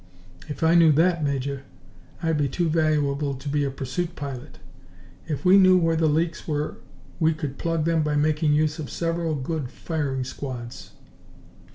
"If I knew that, Major, I'd be too valuable to be a pursuit pilot. If we knew where the leaks were we could plug them by making use of several good firing squads."